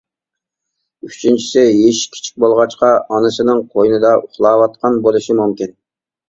ئۈچىنچىسى يېشى كىچىك بولغاچقا ئانىسىنىڭ قوينىدا ئۇخلاۋاتقان بولۇشى مۇمكىن.